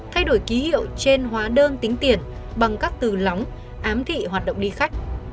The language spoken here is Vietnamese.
thay đổi ký hiệu trên hóa đơn tính tiền bằng các từ lóng ám thị hoạt động đi khách